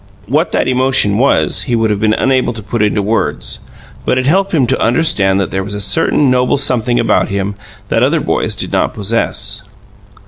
What that emotion was, he would have been unable to put into words; but it helped him to understand that there was a certain noble something about him that other boys did not possess.